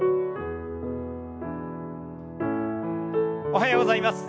おはようございます。